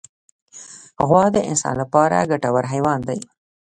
غوا د انسان لپاره ګټور حیوان دی.